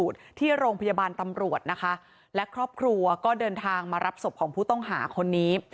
ที่โรงพยาบาลตำรวจนะคะและครอบครัวก็เดินทางมารับศพของผู้ต้องหาคนนี้